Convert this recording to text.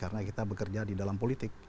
karena kita bekerja di dalam politik